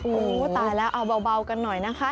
โอ้โหตายแล้วเอาเบากันหน่อยนะคะ